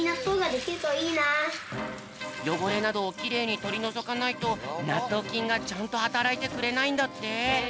よごれなどをきれいにとりのぞかないとなっとうきんがちゃんとはたらいてくれないんだって。